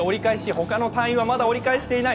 他の隊員は折り返していない。